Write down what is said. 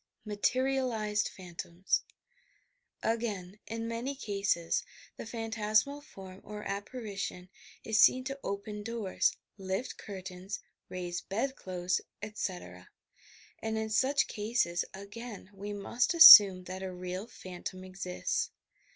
MATERIALIZED PHANTOMS Again, in many cases, the phantasmal form or appari tion is seen to open doors, lift curlains, raise bed clothes, etc., and in such cases, again, we must assume that a real phantom exists.